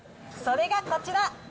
それがこちら。